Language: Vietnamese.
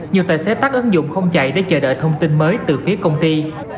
nhiều tài xế tắt ứng dụng không chạy để chờ đợi thông tin mới từ phía công ty